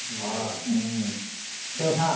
妹尾さん。